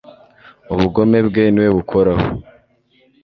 Ubugome bwe ni we bukoraho